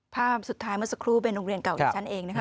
ภาพสุดท้ายเมื่อสักครู่เป็นโรงเรียนเก่าที่ฉันเองนะคะ